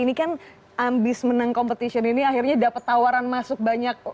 ini kan ambisi menang competition ini akhirnya dapat tawaran masuk banyak